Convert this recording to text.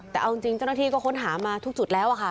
แต่เอาจริงเจ้าหน้าที่ก็ค้นหามาทุกจุดแล้วค่ะ